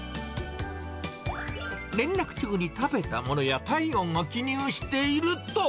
連絡帳に食べたものや体温を記入していると。